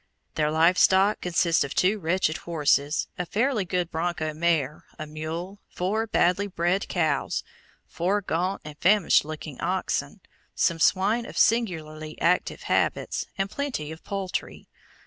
Their live stock consists of two wretched horses, a fairly good bronco mare, a mule, four badly bred cows, four gaunt and famished looking oxen, some swine of singularly active habits, and plenty of poultry.